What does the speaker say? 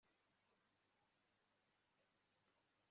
ku mibereho myiza n'iterambere rirambye